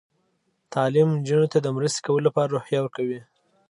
تعلیم نجونو ته د مرستې کولو روحیه ورکوي.